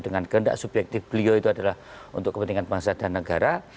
dengan kehendak subjektif beliau itu adalah untuk kepentingan bangsa dan negara